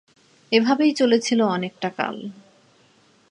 এভাবেই চলেছিল অনেকটা কাল।